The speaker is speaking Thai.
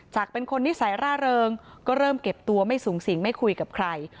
เป็นคนนิสัยร่าเริงก็เริ่มเก็บตัวไม่สูงสิงไม่คุยกับใคร